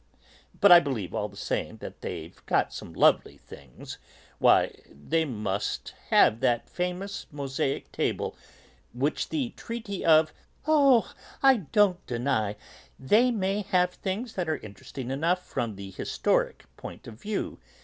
"But I believe, all the same, that they've got some lovely things; why, they must have that famous mosaic table on which the Treaty of..." "Oh, I don't deny, they may have things that are interesting enough from the historic point of view.